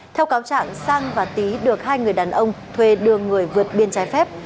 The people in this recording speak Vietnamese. theo cáo trạng sang và tý được hai người đàn ông thuê đưa người vượt biên trái phép